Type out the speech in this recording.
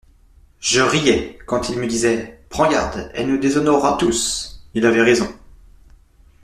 Je riais, quand il me disait : «Prends garde, elle nous déshonorera tous.» Il avait raison.